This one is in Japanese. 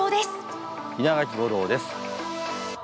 稲垣吾郎です。